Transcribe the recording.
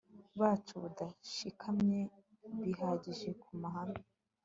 bacu budashikamye bihagije ku mahame